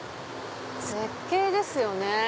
絶景ですよね。